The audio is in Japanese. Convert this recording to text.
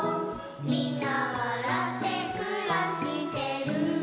「みんなわらってくらしてる」